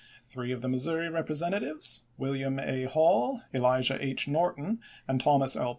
Three of the Missouri Eepre sentatives, WiUiam A. Hall, Elijah H. Norton, and Thomas L.